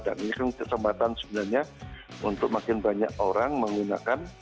dan ini kan kesempatan sebenarnya untuk makin banyak orang menggunakan